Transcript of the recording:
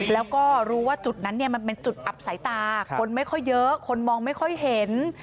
แล้วก็รู้ว่าจุดนั้นเนี่ยมันเป็นจุดอับสายตาคนไม่ค่อยเยอะคนมองไม่ค่อยเห็น